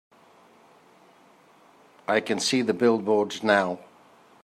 I can see the billboards now.